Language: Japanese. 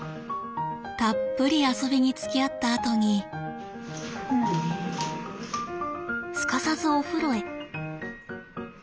たっぷり遊びにつきあったあとにすかさずお風呂へ。